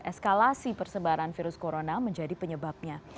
eskalasi persebaran virus corona menjadi penyebabnya